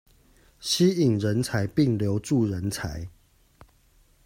吸引人才並留住人才